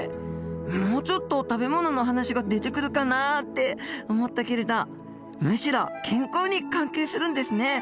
もうちょっと食べ物の話が出てくるかなって思ったけれどむしろ健康に関係するんですね！